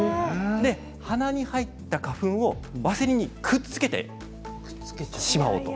鼻に入った花粉をワセリンにくっつけてしまおうと。